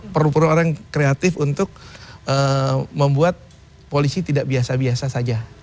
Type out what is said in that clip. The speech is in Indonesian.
perlu perlu orang kreatif untuk membuat polisi tidak biasa biasa saja